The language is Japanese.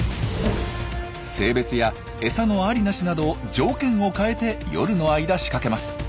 性別やえさの有り無しなど条件を変えて夜の間仕掛けます。